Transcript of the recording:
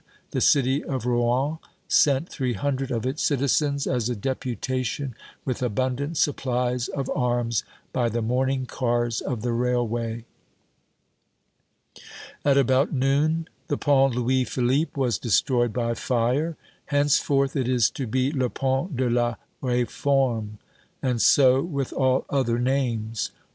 The city of Rouen sent three hundred of its citizens as a deputation, with abundant supplies of arms, by the morning cars of the railway. At about noon, the Pont Louis Philippe was destroyed by fire. Henceforth it is to be "Le Pont de la Réforme." And so with all other names.